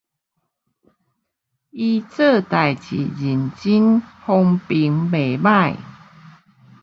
伊做代誌認真，風評袂䆀